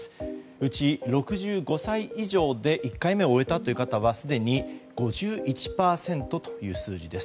うち、６５歳以上で１回目を終えた方はすでに５１％という数字です。